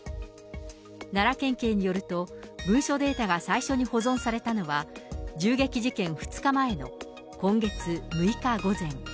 奈良県警によると、文書データが最初に保存されたのは、銃撃事件２日前の今月６日午前。